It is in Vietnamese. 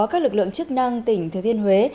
các lực lượng chức năng tỉnh thừa thiên huế